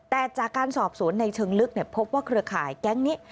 แต่จากการสอบสวนในเชิงลึกพบว่าเครือข่ายแก๊งนี้